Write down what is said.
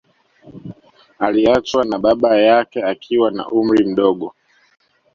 Aliachwa na baba yake akiwa na umri mdogo